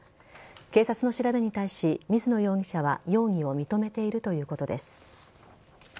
警察の調べに対し水野容疑者は容疑を認めているということです。